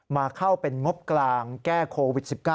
มาเข้าเป็นงบกลางแก้โควิด๑๙